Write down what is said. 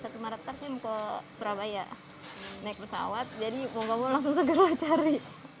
kemarin ketemu ke surabaya naik pesawat jadi mau ngomong langsung seger lah cari